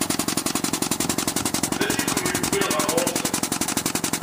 D acu i ken-yewwin ɣer ɣur-sen?